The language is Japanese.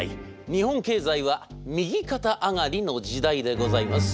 日本経済は右肩上がりの時代でございます。